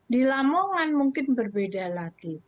di lamongan mungkin berbeda lagi